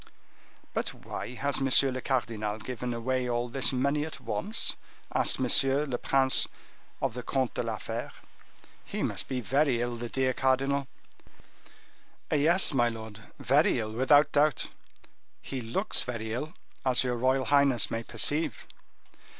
"But why has monsieur le cardinal given away all this money at once?" asked M. le Prince of the Comte de la Fere. "He must be very ill, the dear cardinal!" "Yes, my lord, very ill, without doubt; he looks very ill, as your royal highness may perceive."